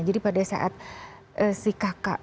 jadi pada saat si kakak